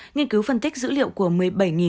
nghiên cứu phân tích dữ liệu của một mươi bảy phụ nữ